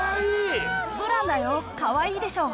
ブランだよ、かわいいでしょ。